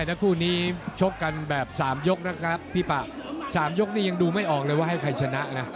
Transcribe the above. ถ้าคู่นี้ชกกันแบบสามยกนะครับพี่ปะสามยกนี่ยังดูไม่ออกเลยว่าให้ใครชนะนะ